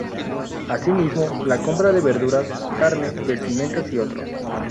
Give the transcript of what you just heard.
Así mismo la compra de verduras, carne, vestimentas y otros.